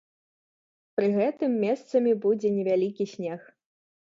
Пры гэтым месцамі будзе невялікі снег.